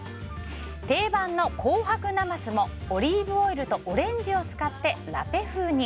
定番の紅白なますもオリーブオイルとオレンジを使ってラペ風に。